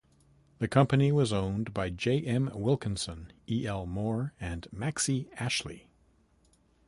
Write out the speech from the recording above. The company was owned by J. M. Wilkinson, E. L. Moore and Maxey Ashley.